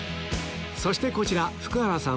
そしてこちら福原さん